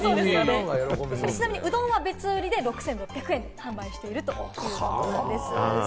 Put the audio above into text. ちなみにうどんは別売りで６６００円で販売しているそうです。